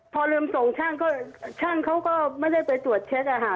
พอลืมส่งช่างก็ช่างเขาก็ไม่ได้ไปตรวจเช็คอะค่ะ